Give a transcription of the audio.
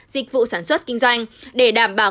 dịch vụ sản xuất kinh doanh để đảm bảo